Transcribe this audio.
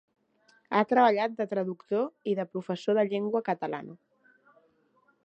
Ha treballat de traductor i de professor de llengua catalana.